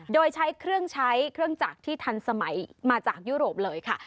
โดยใช้เครื่องใช้เครื่องจักรที่ทันสมัยมาจากยุโรปเลยค่ะ